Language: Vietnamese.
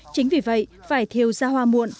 chính vì vậy vải thiếu ra hoa muộn